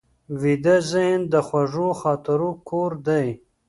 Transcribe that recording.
ویده ذهن د خوږو خاطرو کور دی